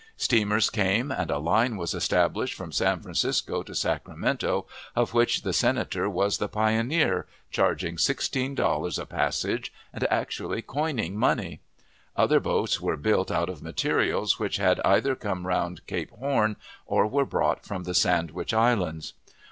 Steamers came, and a line was established from San Francisco to Sacramento, of which the Senator was the pioneer, charging sixteen dollars a passage, and actually coining money. Other boats were built, out of materials which had either come around Cape Horn or were brought from the Sandwich Islands.